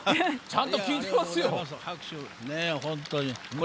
ちゃんと聴いてますよ！